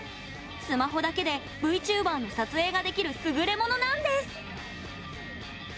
スマホだけでＶＴｕｂｅｒの撮影ができるすぐれものなんです。